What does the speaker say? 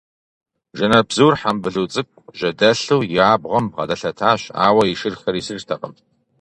Жэнэтбзур, хьэмбылу цӏыкӏу жьэдэлъу, и абгъуэм бгъэдэлъэтащ, ауэ и шырхэр исыжтэкъым.